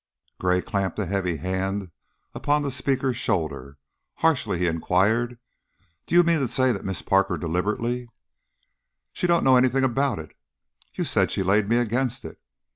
Gray clamped a heavy hand upon the speaker's shoulder; harshly he inquired, "Do you mean to say that Miss Parker deliberately " "She don't know anything about it." "You said she 'laid me' against it."